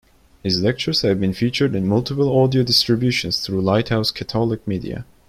His lectures have been featured in multiple audio distributions through Lighthouse Catholic Media.